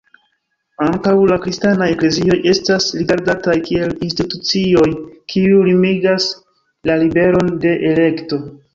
Ankaŭ la kristanaj eklezioj estas rigardataj kiel institucioj kiuj limigas la liberon de elekto.